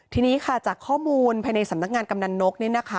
ทีนี้ค่ะจากข้อมูลภายในสำนักงานกำนันนกเนี่ยนะคะ